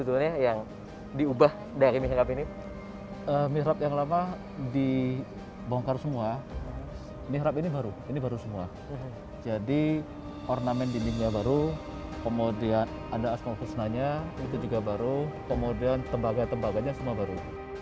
ornamen di dunia baru kemudian ada asmong khusnanya itu juga baru kemudian tembaga tembaganya semua baru